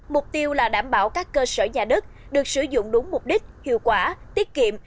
mục tiêu là đảm bảo các cơ sở nhà đất được sử dụng đúng mục đích hiệu quả tiết kiệm